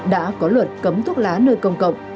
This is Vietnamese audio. đã có luật cấm thuốc lá nơi công cộng